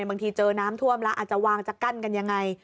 บางทีเจอน้ำท่วมแล้วอาจจะวางจะกั้นกันยังไง